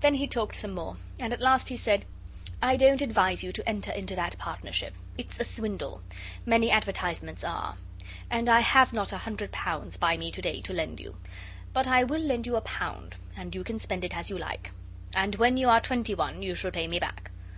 Then he talked some more, and at last he said 'I don't advise you to enter into that partnership. It's a swindle. Many advertisements are. And I have not a hundred pounds by me to day to lend you. But I will lend you a pound, and you can spend it as you like. And when you are twenty one you shall pay me back.